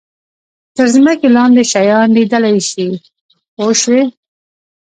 تر ځمکې لاندې شیان لیدلای شي پوه شوې!.